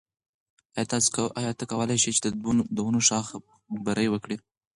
آیا ته کولای شې چې د ونو شاخه بري وکړې؟